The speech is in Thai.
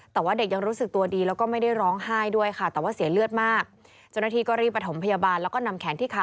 แต่ว่าเด็กยังรู้สึกตัวดีแล้วก็ไม่ได้ร้องไห้ด้วยค่ะ